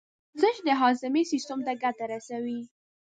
ورزش د هاضمې سیستم ته ګټه رسوي.